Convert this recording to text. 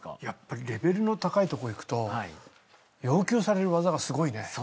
やっぱりレベルの高いとこ行くと要求される技がすごいね。